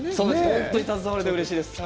本当に携わられてうれしいです。